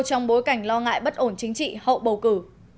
trong bối cảnh lo ngại bất ổn chính trị hậu bầu cử